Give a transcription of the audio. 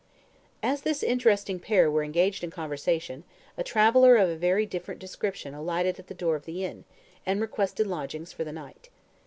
As this interesting pair were engaged in conversation, a traveller of a very different description alighted at the door of the inn, and requested lodgings for the night.